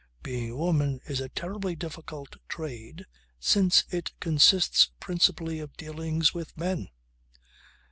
Being a woman is a terribly difficult trade since it consists principally of dealings with men.